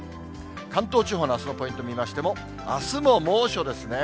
関東地方のあすのポイント見ましても、あすも猛暑ですね。